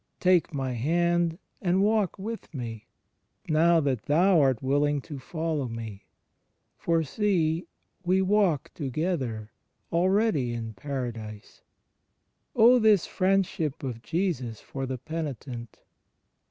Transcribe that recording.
Take my hand and walk with me, now that thou art willing to follow me; for see — we walk together already in Paradise." ... Oh! this Friendship of Jesus for the Penitent!